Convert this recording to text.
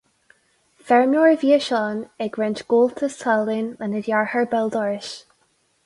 Feirmeoir a bhí i Seán, ag roinnt gabháltas talún lena dheartháir béal dorais.